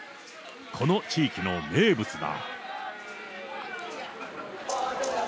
この地域の名物だ。